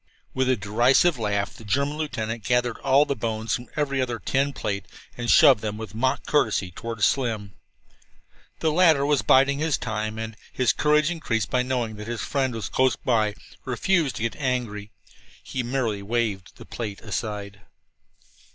With a derisive laugh the German lieutenant gathered all the bones from every other tin plate and shoved them, with mock courtesy, toward Slim. The latter was biding his time, and, his courage increased by knowledge that his friend was close by, refused to get angry. He merely waved the plate aside.